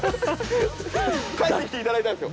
帰ってきていただいたんですよ。